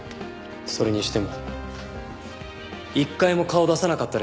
それにしても一回も顔出さなかったですね